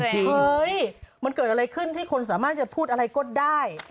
เฮ้ยมันเกิดอะไรขึ้นที่คนสามารถจะพูดอะไรก็ได้